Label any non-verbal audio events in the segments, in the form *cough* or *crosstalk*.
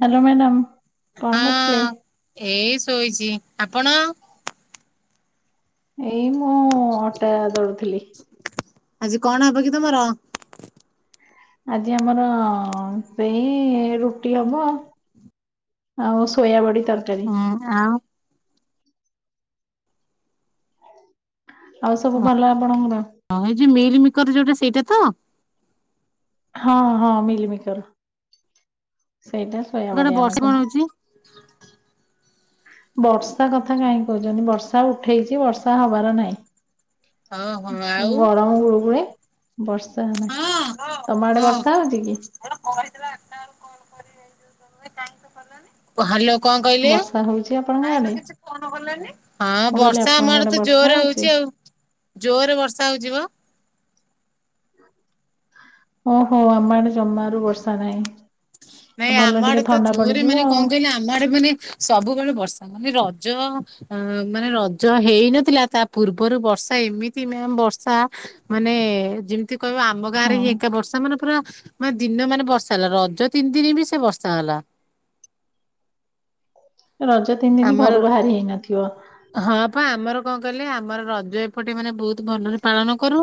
Hello madam କଣ କରୁଥିଲେ? ହଁ ଏଇ ଶୋଇଚି ଆପଣ? ଏଇ ମୁଁ ଅଟା ଦଳୁଥିଲି। ଆଜି କଣ ହବ କି ତମର? ଆଜି ଆମର ସେଇ ରୁଟି ହବ। ଆଉ ସୋୟାବଡ଼ି ତରକାରୀ। ହୁଁ ଆଉ? ଆଉ ସବୁ ଭଲ ଆପଣଙ୍କର? ହଁ ଏଇ ଯୋ ମିଲ୍ ମିକର ଯୋଉଟା ସେଇଟା ତ? ହଁ ହଁ ମିିଲ ମିକର ସେଇଟା ଆମ ଆଡ଼େ ସୋୟାବଡି ଆମେ ବର୍ଷ କହୁ। କଣ ହଉଛି। ବର୍ଷା କଥା କାହିଁ କହୁଚ଼ନ୍ତି ବର୍ଷା ଉଠେଇଚି ବର୍ଷା ହବାର ନାହିଁ। ଓହୋ ଉଁ ଆଉ ଗରମ ଗୁଳୁ ଗୁଳି ବର୍ଷା ନାହିଁ ତମ ଆଡେ ବର୍ଷା ହଉଚି କି? ଜଣେ କହିଥିଲା ଆଟା ବେଳୁ କଲ୍ କରିବେ ଏଇଯଉ ଦେମି କାଇଁ ତ କଲାନି? ହାଲୋ କଁ କହିଲେ? ବର୍ଷା ହଉଛି ଆପଣଙ୍କ କାଇଁ ତ ଆଡେ? କିଛି ଫୋନ୍‌ କଲେନି ହଁ ମୁଁ କହିଲି ବର୍ଷା ଆମ ଆପଣଙ୍କ ଆଡେ ତ ବର୍ଷା ଜୋରେ ହଉଛି ଆଉ। ଜୋରେ ବର୍ଷା ହଉଛି ବ ଓହୋ ଆମ ଆଡେ ଜମାରୁ ବର୍ଷା ନାହିଁ। ନାଇଁ ଭଲ ଆମ ଟିକେ ଆଡେ ତ ଥଣ୍ଡା ଜୋରେ ପଡିଯିବ ମାନେ କଅଁ ଆଉ କହିଲେ ଆ ଆମ ଆଡେ ମାନେ ସବୁବେଳେ ବର୍ଷା ମାନେ ରଜ ଅ ମାନେ ରଜ ହେଇନଥିଲା ତା ପୂର୍ବରୁ ବର୍ଷା ଏମିତି ମ୍ୟାମ ବର୍ଷା ମାନେ ଯେମିତି କହିବ ଆମ ଗାଁରେ ହିଁ ଏକା ବର୍ଷା ମାନେ ପୁରା ମାନେ ଦିନ ମାନେ ବର୍ଷା ହେଲା ରଜ ତିନି ଦିନ ବି ସେ ବର୍ଷା ହେଲା ରଜ ତିନି ଦିନି ଘରୁ ବାହାରି ହେଇନଥିବ? ହଁପା ଆମର କଣ କହିଲେ ଆମର ରଜ ଏପଟେ ମାନେ ବହୁତ୍ ଭଲରେ ପାଳନ କରୁ।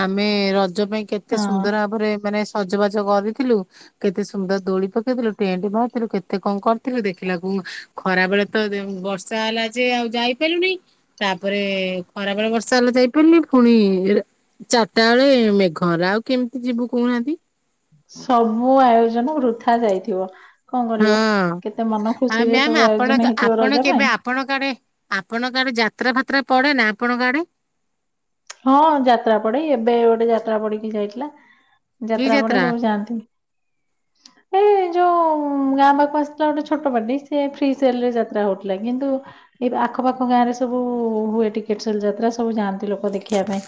ଆମେ ରଜ ପାଇଁ କେତେ ହଁ ସୁନ୍ଦର ଭାବରେ ମାନେ ସଜବାଜ କରିଥିଲୁ। କେତେ ସୁନ୍ଦର ଦୋଳି ପକେଇଥିଲୁ ଟେଣ୍ଟ ମାରିରିଥିଲୁ କେତେ କଣ କରିଥିଲୁ ଦେଖିଲାକୁ ଖରା ବେଳେ ତ ଦେ ବର୍ଷା ହେଲା ଯେ ଆଉ ଯାଇ ପାଇଲୁ ନେଇ। ତା ପରେ ଖରା ବେଳେ ବର୍ଷା ହେଲା ଯାଇ ପାରିଲୁ ନେଇ ଫୁଣି ରା ଚାରିଟା ବେଳେ ମେଘ ହେଲା ଆଉ କେମିତି ଯିବୁ କହୁ ନାହାଁନ୍ତି? ସବୁ ଆୟୋଜନ ବୃଥା ଯାଇଥିବ? କଣ ହଁ। କରିବ କେତେ ମନ ଆଉ ଖୁସି ରେ ମ୍ୟାାମ ସବୁ ଆପଣ ଆୟୋଜନ ହେଇଥିବ ଆପଣ ରଜ କେବେ ପାଇଁ ଆପଣଙ୍କ ଆଡେ ଆପଣଙ୍କ ଆଡେ ଯାତ୍ରା ଫାତ୍ରା ପଡେ ନାଁ ଆପଣଙ୍କ ଆଡେ? ହଁ ଯାତ୍ରା ପଡେ ଏବେ ଗୋଟେ ଯାତ୍ରା ପଡିକି ଯାଇଥିଲା ଯାତ୍ରା ପଡ଼େସବୁ ଯାଆନ୍ତିି *inaudible* ଏଇ ଯୋଉ ଗାଁ ପାଖକୁ ଆସିଥିଲା ଗୋଟେ ଛୋଟ ପାଟି ସେ ଫ୍ରି ସେଲ ରେ ଯାତ୍ରା କରୁଥିଲା କିନ୍ତୁ ଏଇ ଆଖପାଖ ଗାଁ ରେ ସବୁ ହୁଏ ଟିକେଟ ସଲ ଯାତ୍ରା ସବୁ ଯାଆନ୍ତି ଲୋକ ଦେଖିବା ପାଇଁ।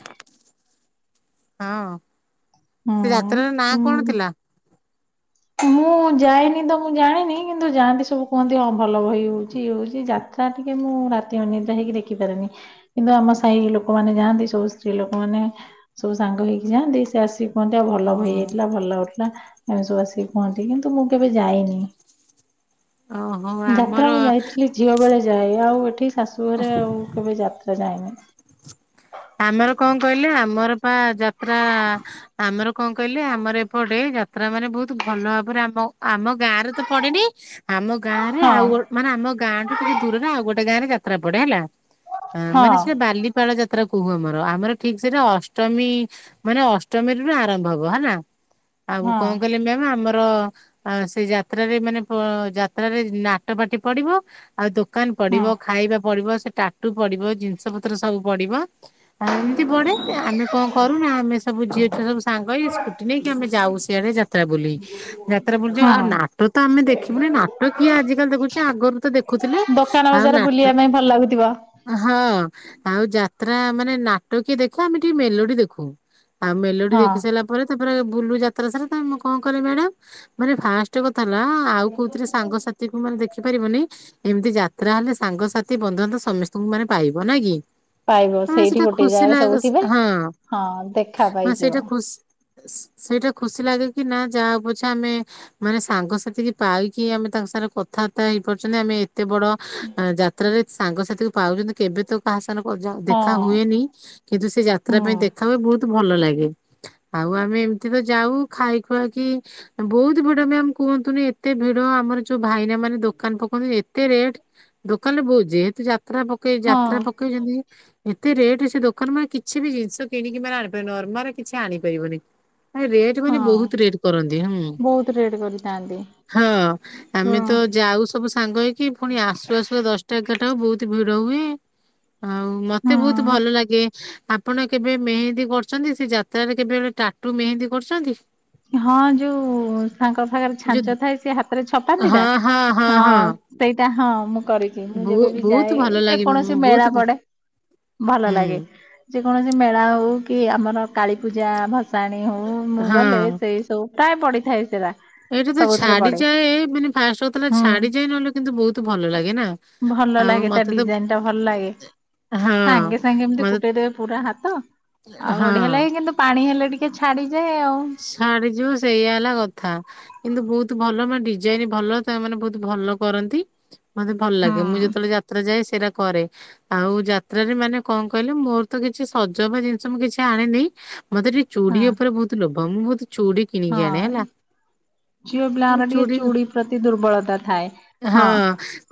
ହଁ ସେ ଯାତ୍ରାର ନାଁ ହୁଁ କଣ ହୁଁ ଥିଲା? ମୁଁ ଯାଏନି ତ ମୁଁ ଜାଣିନି କିନ୍ତୁ ଯାଆନ୍ତି ସବୁ କୁହନ୍ତି ହଁ ଭଲ ବହି ହଉଛି ଇଏ ହଉଛି ଯାତ ତା ଟିକେ ମୁଁ ରାତି ଅନିଦ୍ରା ହେଇକି ଦେଖିପାରେନି। କିନ୍ତୁ ଆମ ସାହି ଲୋକମାନେ ଯାଆନ୍ତି ସବୁ ସ୍ତ୍ରୀ ଲୋକ ମାନେ ସବୁ ସାଙ୍ଗ ହେଇକି ଯାଆନ୍ତି ସେ ଆସି କୁହନ୍ତି ଆଉ ଭଲ ବହି ହେଇଥିଲା ଭଲ ଲାଗୁଥିଲା ଏମିତି ସବୁ ଆସିକି କୁହନ୍ତି କିନ୍ତୁ ମୁଁ କେବେ ଯାଇନି। ଓହୋ ଯାତ୍ରା ଆମର ମୁଁ ଯାଇଥିଲି ଝିଅ ବେଳେ ଯାଏ, ଆଉ ଏଠି ଶାଶୁ ଘରେ ଆଉ କେବେ ଯାତ୍ରା ଯାଏନି। ଆମର କଅଁ କହିଲେ ଆମର ପା ଯାତ୍ରା ଆମର କଣ କହିଲେ ଆମର ଏପଟେ ଯାତ୍ରା ମାନେ ବହୁତ ଭଲ ଭାବରେ ଆମ ଆମ ଗାଁ ରେ ତ ପଡେନି, ଆମ ଗାଁ ରେ ହଁ ଆଉ ମାନେ ଆମ ଗାଁଠୁ ଟିକେ ଦୂରରେ ଆଉ ଗୋଟେ ଗାଁରେ ଯାତ୍ରା ପଡେ ହେଲା, ହଁ ମାନେ ସେ ବାଲିପାଳ ଯାତ୍ରା ଯାତ୍ରା କହୁ ଆମର, ଆମର ଠିକ୍ ସେଟା ଅଷ୍ଟମୀ ମାନେ ଅଷ୍ଟମୀରୁ ବି ଆରମ୍ଭ ହବ, ହେଲା, ଆଉ ହଁ କଣ କଲେ ମାମ ଆମର ତ ସେଯାତ୍ରାରେ ମାନେ ଯାତ୍ରାରେ ନାଟ ପାଟି ପଡିବ ଆଉ ଦୋକାନ ପଡିବ, ହଁ ଖାଇବା ପଡିବ, ସେ ଟାଟୁ ପଡିବ, ଜିନିଷ ପତ୍ର ସବୁ ପଡିବ ଆଉ ଏମିତି ପଡ଼େ, ଆମେ କଣ କରୁନା ଆମେ ସବୁ ଝିଅ ଛୁଆ ସବୁ ସାଙ୍ଗ ଇ ସ୍କୁଟି ନେଇକି ଆମେ ଯାଉ ସିଆଡେ ଯା ଯାତ୍ରା ବୁଲି, ଯାତ୍ରା ବୁଲି ଯ ହଁ ଆଉ ନାଟ ତ ଆମେ ଦେଖିବୁନି ନାଟ କିଏ ଆଜିକାଲି ଦେଖିଚି ଆଗରୁ ତ ଦେଖ ଦେଖୁଥିଲେ ଦୋକାନ ଆଉ ବଜାର ନାଟ ବୁଲିବା ପାଇଁ ଭଲ ଲାଗୁଥିବ। ହଁ ଆଉ ଯାତ୍ରା ମାନେ ନାଟ କିଏ ଦେଖୁ, ଆମେ ଟିକେ ମେଲୋଡି ଦେଖୁ ଆଉ ମେଲୋଡି ହଁ ଦେଖି ସାରିଲା ପରେ, ତାପରେ ବୁଲୁ ଯାତ୍ରା ସାରା, କଣ କଲେ ମ୍ୟାଡାମ ମାନେ ଫାଷ୍ଟ କଥା ହେଲା ଆଉ କୋଉଥିରେ ସାଙ୍ଗସାଥି ମାନେ ଦେଖିପାରିବନି, ଏମିତି ଯାତ୍ରା ହେଲେ ସାଙ୍ଗସାଥି ବନ୍ଧୁବାନ୍ଧବ ସମସ୍ତଙ୍କୁ ମାନେ ପାଇବ ନାଇ କି? ପାଇବ ହଁ ସେଇଠି ସେଇଟା ଗୋଟେ ଖୁସି ଜାଗାରେ ସବୁ ଲାଗ ଥିବେ। ସ ଦେଖା ହଁ ପାଇଯିବ ସେଇଟା ଖୁସି। ସେଇଟା ଖୁସି ଲାଗେ କି ନା ଯାହା ହଉପଛେ ଆମେ ମାନେ ସାଙ୍ଗସାଥି କି ପାଇକି ଆମେ ତାଙ୍କ ସାରେ କଥାବାର୍ତ୍ତା ହେଇପାରୁଛନ୍ତି, ଆମେ ଏତେ ବଡ ଯାତ୍ରାରେ ସାଙ୍ଗସାଥି କୁ ପାଉଛନ୍ତି କେବେ ତ କାହା ସାନ ପ ହଁ ଦେଖା ହୁଏନି କିନ୍ତୁ ସେ ହୁଁ ଯାତ୍ରା ପାଇଁ ଦେଖା ହୁଏ ବହୁତ ଭଲ ଲାଗେ। ଆଉ ଆମେ ଏମିତି ତ ଯାଉ। ଖାଇ ଖୁଆ କି? ବହୁତ ଭିଡ ମାମ କୁହନ୍ତୁନି, ଏତେ ଭିଡ ଆମର ଯୋଉ ଭାଇନା ମାନେ ଦୋକାନ ପକାନ୍ତି ଏତେ ରେଟ, ଦୋକାନ ରେ ବୋହୁଛି ଯେହେତୁ ଯାତ୍ରା ପକେଇ ହଁ ଯାତ୍ରା ପ କିଣିବୁ। ଏତେ ରେଟ୍ ସେ ଦୋକାନ ମାନେ କିଛି ବି ଜିନିଷ କିଣିକି ମାନେ ଆଣିପାରିବ ନର୍ମାଲ କିଛି ଆଣିପାରିବନି। ନାଇଁ ରେଟ୍ ମାନେ ହଁ ବହୁତ ରେଟ୍ କରନ୍ତି, ହୁଁ। ବହୁତ ରେଟ୍ କର ହଁ ଆମେ ତ ଯାଉ ସବୁ ସାଙ୍ଗ ହେଇକି, ପୁଣି ଆସୁ ଆସୁ ଦଶଟା ଏଗାରଟା ବହୁତ ଭିଡ ହୁଏ ଆଉ ମ ମତେ ବହୁତ ହୁଁ ଭଲ ଲାଗେ। ଆପଣ କେବେ ମେହେନ୍ଦୀ କରୁଛନ୍ତି, ସେ ଯାତ୍ରାରେ କେବେବି ଟାଟୁ ମେହେନ୍ଦୀ କରୁଛନ୍ତି? ହଁ ଯୋଉ ତାଙ୍କ ପାଖରେ ଯୋଉ ଛାଞ୍ଚ ଥାଏ, ସେ ହାତରେ ଛପାନ୍ତି ନା ହଁ ସେଇଟା ହଁ ମୁଁ କରେ। ଛି ମୁଁ ବହୁ ଯେବେ ବି ବହୁତ ଯାଏ ଭଲ ଯେ ଲାଗେ ଉଁ, କୌଣସି ବହୁତ ମେଳା ଭ- ପଡେ ଭଲ ଲାଗେ। ହୁଁ ଯେକୌଣସି ମେଳା ହଉ କି, ଆମର କାଳୀପୂଜା ଭସାଣି ହଉ ମୁଁ ଗଲେ ହଁ ଏଇ ସବୁ ପ୍ରାୟ ପଢିଥାଏ ସେଇଟା। ଏଇଟା ତ ଛାଡିଯାଏ, ମାନେ ଫାଷ୍ଟ ହଉଥିଲା ହୁଁ ଛାଡି ଯାଏ, ନହଲେ କିନ୍ତୁ ବହୁତ ଭଲ ଲାଗେ ନା ଭଲ ଆଉ ଲାଗେ ତା ମତେ ତ ଡିଜାଇନ ଟା ଭଲ ଲାଗେ। ହଁ ସାଙ୍ଗେ ସାଙ୍ଗେ ଏମିତି ମତେ କୁଟେଇଦବେ ପୁରା ହାତ, ଆଉ ହଁ ବଢିଆ ଲାଗେ, କିନ୍ତୁ ପାଣି ହେଲେ ଟିକେ ଛାଡିଯାଏ ଆଉ। ଛାଡିଯିବ ସେଇଆ ହେଲା କଥା। କିନ୍ତୁ ବହୁତ ଭଲ ବା ଡିଜାଇନ ଭଲ, ତାମାନେ ବହୁତ ଭଲ କରନ୍ତି। ମତେ ଭଲ ଲାଗେ, ମୁଁ ହଁ ଯେତେବେଳେ ଯାତ୍ରା ଯାଏ ସେଇଟା କରେ। ଆଉ ଯାତ୍ରାରେ ମାନେ କଣ କହିଲ? ମୋର ତ କିଛି ସଜବା ଜିନିଷ ମୁଁ କିଛି ଆଣିନି, ମତେ ଟିକେ ହଁ ଚୁଡି ଉପରେ ବହୁତ ଲୋଭ ମୁଁ ବହୁତ ଚୁଡି କିଣିକି ଆଣେ ହେଲା। ହଁ ଝିଅ ମୁଁ ପିଲାଙ୍କର ଟିକେ ଚୁଡ଼ି ଚୁଡି ପ୍ରତି ଦୁର୍ବଳତା ଥାଏ ହଁ।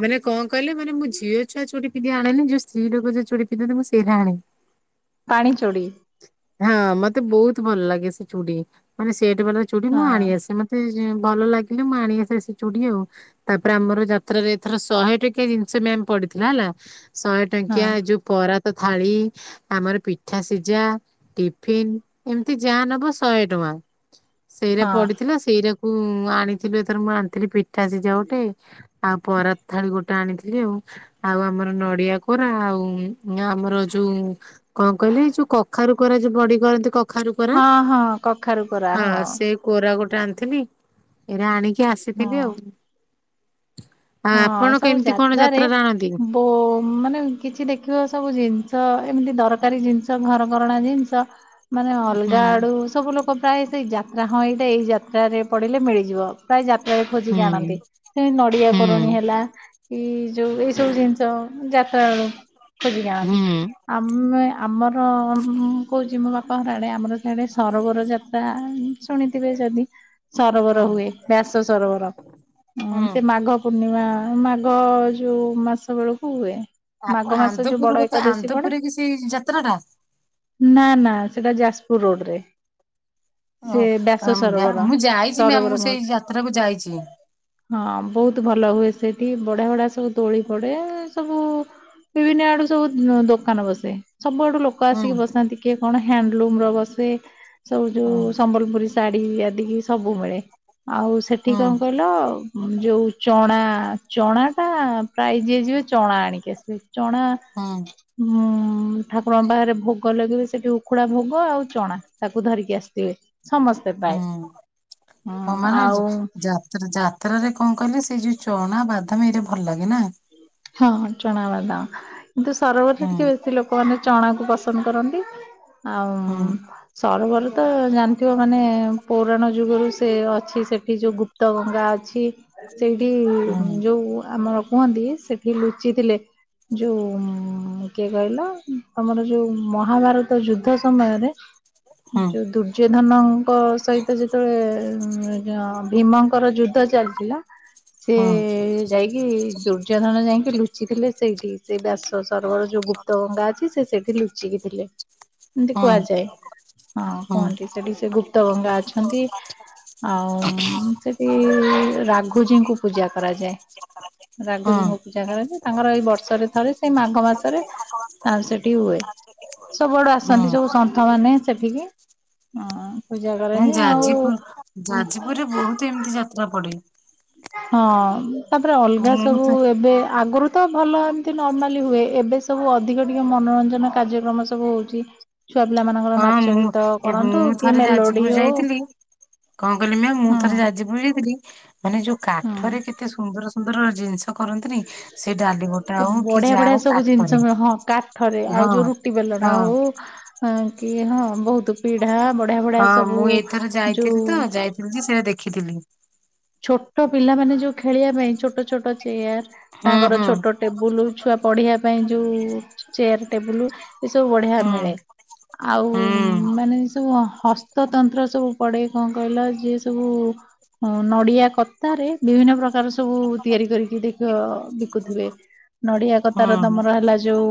ମାନେ କଣ କହିଲେ ମାନେ ମୁ ଝିଅ ଛୁଆ ଚୁଡ଼ି ପିନ୍ଧି ଆଣେନି ଯୋ ସ୍ତ୍ରୀ ଲୋକ ଯଉ ଚୁଡ଼ି ପିଧନ୍ତି ମୁଁ ସେଇଟା ଆଣେ। ପାଣି ଚୁଡି। ହଁ ମତେ ବହୁତ ଭଲ ଲାଗେ ସେ ଚୁଡି ମାନେ ସେଟ ବାଲା ଚୁଡି ମୁଁ ହଁ ଆଣି ଆସେ ମତେ ଭଲ ଲାଗିଲେ ମୁଁ ଆଣିଆସେ ସେ ଚୁଡ଼ି ଆଉ ତାପରେ ଆମର ଯାତ୍ରାରେ ଏଥର ଶହେ ଟଙ୍କିଆ ଜିନିଷ ବି ଆମେ ପଡିଥିଲା ହେଲା ଶହେ ହଁ ଟଙ୍କିଆ ଯୋଉ ପରାତ ଥାଳି ଆମର ପିଠା ସିଝା ଟିଫିିନ ଏମିତି ଯାହା ନବ ଶହେ ଟଙ୍କା ସେଇଟା ହଁ ପଡିଥିଲା ସେଇଟାକୁ ମୁଁ ଆଣିଥିଲୁ ଏଥର ମୁଁ ଆଣିଥିଲି ପିଠ ପିଠା ସିଝା ଗୋଟେ ଆଉ ପରାତ ଥାଳି ଗୋଟେ ଆଣିଥିଲି ଆଉ ଆଉ ଆମର ନଡିଆ କୋରା ଆଉ ଆମର ଯୋଉ କଣ କହିଲେ ଏଇ ଯୋଉ କଖାରୁ କୋରା ଯୋଉ ବଢି କରନ୍ତି କ ହଁ ହଁ। କଖାରୁ କରା ହଁ ସେ କୋରା ଗୋଟେ ଆଣିଥିଲି ଏରା ଆଣିକି ଆସିଥିଲି ହଁ। ଆଉ ଆଉ ହଁ ଆପଣ ସବୁ କେମିତି କଣ ଯାତ୍ରାରେ ଆଣନ୍ତି? ହୁଁ ଓ ମାନେ କିଛି ଦେଖିବ ସବୁ ଜିନିଷ ଏମିତି ଦରକାରୀ ଜିନିଷ ଘରକରଣା ଜିନିଷ ମାନେ ହୁଁ ଅଲଗା ଆଡୁ ସବୁ ଲୋକ ଲୋକ ପ୍ରାୟ ସେଇ ଯାତ୍ରା ହଁ ଏଇଟା ଏଇ ଯାତ୍ରାରେ ପଡିଲେ ମିଳିଯିବ ପ୍ରାୟ ଯା ହୁଁ ଖୋଜିକି ଆଣନ୍ତି ସେ ନଡିଆ ଏ ଯୋଉ ଏଇ ସବୁ ଜିନିଷ ଯାତ୍ରା ବେଳୁ ସେ ବି ଜାନ୍ତି ହୁଁ। ଆମେ ଆମର କହୁଛି ମୋ ବାପା ଘରଆଡ଼େ ଆମର ସେଆଡ଼େ ସରୋବରଯାତ୍ରା ଶୁଣିଥିବେ ଯଦି ହଁ ସରୋବର ହୁଏ ବ୍ୟାସ ସରୋବର ହଁ ସେ ମାଘ ପୂର୍ଣ୍ଣିମା ମାଘ ଯୋଉ ମାସ ବେଳକୁ ହୁଏ। ଆପଣ ମାଘ ମାସ ଯୋଉ ଆନ୍ଦପୁର ବଡ ଗ ତ ଏକାଦଶୀ ପଡେ ଆନ୍ଦପୁରରେ କି ସେଇ ଯାତ୍ରାଟା ନା ନା ସେଟା ଯାଜପୁର ରୋଡରେ ଓ ସେ ବ୍ୟାସ ଆ, ମ୍ୟା- ସରୋବର ମୁଁ ଯାଇଛି ମ୍ୟାମ ସରୋବର ମୁଁ ସେଇ କହନ୍ତି। ଯାତ୍ରାକୁ ଯାଇଛି। ହଁ ବହୁତ ଭଲ ହୁଏ ସେଠି ବଢିଆ ବଢ଼ିଆ ସବୁ ଦୋଳି ପଡେ ସବୁ ବିଭିନ୍ନ ଆଡୁ ସବୁ ଦୋକାନ ବସେ ସବୁଆଡୁ ଲୋ ଲୋକ ହୁଁ ଆସିକି ବସନ୍ତି କିଏ କଣ ହ୍ୟାଣ୍ଡଲୁମର ବସେ ସବୁ ଯୋଉ ହୁଁ ସମ୍ବଲପୁରୀ ଶାଢ଼ୀ ଆଦିକି ସବୁ ମିଳେ ଆଉ ସେଠି ହୁଁ କଣ କହିଲ ଯୋଉ ଚଣା ଚଣାଟା ପ୍ରାୟ ଯିଏ ଯିବେ ଚଣା ଆଣିକି ଆସିବେ ଚଣା ହଁ। ହୁଁ ଠାକୁରଙ୍କ ବାହାରେ ଭୋଗ ଲହେଇବ ସେଠି ଉଖୁଡା ଭୋଗ ଆଉ ଚଣା ତାକୁ ଧରିକି ଆସିଥିବେ। ସମସ୍ତେ ପ୍ରାଏ ହୁଁ ହଁ ଆଉ ଯ ଯାତ୍ରାରେ କଣ କହିଲେ ସେଇ ଯୋଉ ଚଣା ବାଦାମ ଏଇଟା ଭଲ ଲାଗେ ନା? ହଁ ଚଣା ବାଦମ୍ କିନ୍ତୁ ସରୋବରରେ ହୁଁ ଟିକେ ବେଶୀ ଲୋ କମାନେ ଚଣାକୁ ପସନ୍ଦ କରନ୍ତି ଆଉ ହୁଁ ସରୋବର ତ ଜାଣିଥିବ ମାନେ ପୁରାଣ ଯୁଗରୁ ସେ ଅଛି ସେଠି ଯୋଉ ଗୁ ଗୁପ୍ତଗଙ୍ଗା ଅଛି ସେଇଠି ହୁଁ ଯୋଉ ଆମର କୁହନ୍ତି ସେ ସେ ଲୁଚିଥିଲେ। ଯୋଉ କିଏ କହିଲ ତମର ଯୋଉ ମହାଭାରତ ଯୁଦ୍ଧ ସମୟରେ ହୁଁ ଯଉ ଦୁର୍ ର୍ଯ୍ୟଧନଙ୍କ ସହିତ ଯେତେବେଳେ ଭୀମଙ୍କର ଯୁଦ୍ଧ ଚାଲିଥିଲା। ସେ ହୁଁ। ଯାଇକି ଦୁର୍ଯ୍ୟୋଧନ ଯାଇକି ଲୁଚିଥିଲେ ସେଇଠି ସେଇ ବସ ସରବର ଯୋଉ ଗୁପ୍ତ ଗଙ୍ଗା ଅଛି ସେ ସେଠି ଲୁଚିକି ଥିଲେ। ଏମିତି ହଁ କୁହାଯାଏ ହଁ କୁହନ୍ତି ସେଠି ସେ ଗୁପ୍ତ ଗଙ୍ଗା ଅଛନ୍ତି। ଆଁ ସେଠି ରାଘୁଜୀଙ୍କୁ ପୂଜା କରାଯାଏ। ହଁ ରାଘୁଜୀଙ୍କୁ। ପୂଜା କରାଯାଏ ତାଙ୍କର ଏଇ ବର୍ଷରେ ଥରେ ସେଇ ମାଘ ମାସରେ ତାର ସେଠି ହୁଏ। ସବୁଆଡୁ ଆସନ୍ତି ସବୁ ହଁ ସନ୍ଥ ମାନେ ସେଠିକି ହ ନ ଯାଜିପୁର ଯାଜପୁରରେ ବହୁତ ଏମିତି ଯାତ୍ରା ପଡେ। ହଁ ତାପରେ ଅଲଗା ମୁଁ ସବୁ ଥ- ଏବେ ଆଗରୁ ତ ଭଲ ଏମତି ନର୍ମାଲି ହୁଏ ଏବେ ସବୁ ଅଧିକ ଟିକେ ମନୋରଞ୍ଜନ କାର୍ଯ୍ୟକ୍ରମ ସବୁ ହଉଛି। ଛୁଆ ପିଲା ମାନଙ୍କର ହଁ ନାଚ ମୁଁ ଗୀତ ଏ- କରନ୍ତୁ ମୁଁ କି ଥରେ ମେଲୋଡି ଯାଜପୁର ହଉ। ଯାଇଥିଲି କଣ କହିଲି ମ୍ୟାମ୍ ମୁଁ ହୁଁ ଥରେ ଯାଯୁପୁର ଯାଇଥିଲି ମାନେ ଯୋଉ କାଠରେ ହୁଁ କେତେ ସୁନ୍ଦର ସୁନ୍ଦର ଜିନିଷ କରନ୍ତିନି ସେ ଡାଲି ଘୋଟା ହଉ କି ବଢିଆ ଯାହା ବଢିଆ ହଉ ସବୁ କାଠରେ ହଁ। ଟି ବେଲଡ଼ା ହଁ ହଉ ଅ କି ହଁ ବହୁତ ପିଢା ବଟ ହଁ ମୁଁ ଏଇଥର ଯାଇଥିଲି ତ ଯାଇଥିଲି କି ସେରା ଦେଖିଥିଲି। ଛୋଟ ପିଲାମାନେ ଯୋଉ ଖେଳିବା ପାଇଁ ଛୋଟ ଛୋଟ ଚେୟାର ହୁଁ ତାଙ୍କର ହୁଁ ଛୋଟ ଟେବୁଲ ଛୁଆ ପଢିବା ପାଇଁ ଯୋଉ ଚେୟାର ଟେବୁଲ ଏ ସବୁ ବଢିଆ ମିଳେ। ହୁଁ। ଆଉ ହୁଁ ମାନେ ସବୁ ହସ୍ତତନ୍ତ୍ର ସବୁ ପଡେ କଣ କହିଲ ଯିଏ ସବୁ ନଡ଼ିଆ କତାରେ ବିଭିନ୍ନ ପ୍ରକାର ସବୁ ତିଆରି କରିକି ଦେଖିବ ବିକୁଥିବେ। ନଡିଆ କତାର ହୁଁ ତମର ହେଲା ଯୋଉ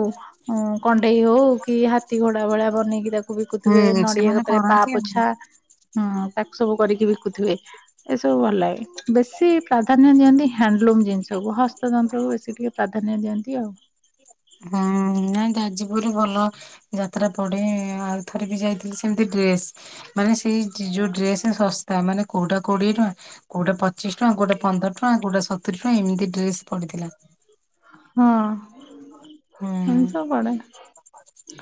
କଣ୍ଢେଇ ହଉ କି ହାତୀ ଘୋଡା ଭଳିଆ ବନେଇକି ତାକୁ ତାକୁ ବିକୁଥିବେ ହୁଁ ନଡିଆ ସେମାନେ କତା ରେ ପା କରନ୍ତି ଆଉ। ପୋଛା ହୁଁ ତାକୁ ସବୁ କରିକି ବିକୁଥିବେ। ଏସବୁ ଭଲ ଲାଗେ ବେଶୀ ପ୍ରାଧାନ୍ୟ ଦିଅନ୍ତି ହ୍ୟାଣ୍ଡଲୁମ୍ ଜିନିଷକୁୁ ହସ୍ତ ତନ୍ତ୍ର କୁ ବେଶୀ ଟିକେ ପ୍ରାଧାନ୍ୟ ଦିଅନ୍ତି ଆଉ। ହଁ। ନା ଯାଜପୁରରେ ଭଲ ଯାତ୍ରା ପଡେ ଆଉ ଥରେ ବି ଯାଇଥିଲି ସେମିତି ଡ୍ରେସ୍ ମାନେ ସେଇ ଯୋଉ ଡ୍ରେସ ଶସ୍ ତା ମାନେ କୋଉଟା କୋଡିଏ ଟଙ୍କା। କୋଉଟା ପଚିଶ ଟଙ୍କା, କୋଉଟା ପନ୍ଦର ଟଙ୍କା, କୋଉଟା ସତୁରି ଟଙ୍କା ଏମିତି ତ୍ରେସ ପଡିଥିଲା। ହଁ ଏମିତି ହୁଁ। ସବୁ ପଡେ।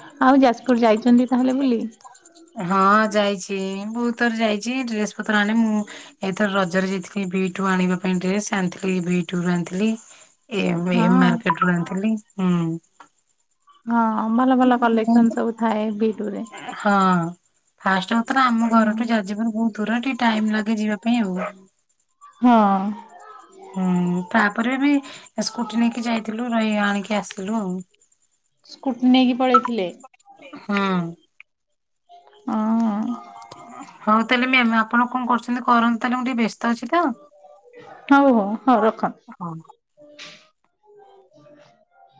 ଆଉ ଯାଜପୁର ଯାଇଛନ୍ତି ତାହେଲେ ବୁଲି? ହଁ ଯାଇଛି ବହୁତ ଥର ଯାଇଛି ଡ୍ରେସ ପତ୍ର ଆଣେ ମୁଁ ଏଥର ରଜରେ ଯାଇଥିଲି ବି ଟୁ ଆଣିବା ପାଇଁ ଡେସ ଆଣିଥିଲି ବି ଟୁୁ ରୁ ଆଣିଥିଲି। ଏ ଏମ୍ ହଁ ମାର୍କେଟ ରୁ ଆଣିଥିଲି। ହୁଁ। ହଁ ଭଲ ଭଲ କଲେକ୍ସନ ସବୁ ଥାଏ ବି ଟୁ ରେ। ହଁ ଫାଷ୍ଟ ହଉଥିଲା ଆମ ହୁଁ। ଘରଠୁ ଯାଜପୁର ବହୁତ ଦୂର ଟିକେ ଟାଇମ ଲାଗେ ଯିବା ପାଇଁ ଆଉ। ହଁ। ହୁଁ, ତାପରେ ବି ସ୍କୁଟି ନେଇକି ଯାଇଥିଲୁ ରହି ଆଣିକି ଆସିଲୁ ଆଉ। ସ୍କୁଟି ନେଇକି ପଳେଇଥିଲେ? ହଁ। ହଁ। ହଉ ତାହେଲେ ମ୍ୟାମ୍, ଆପଣ କଣ କରୁଛନ୍ତି କରନ୍ତୁ ତାହେଲେ ମୁଁ ଟିକେ ବ୍ୟସ୍ତ ଅଛି ତ। ହଉ ହଉ ହଉ ରଖ। ହଁ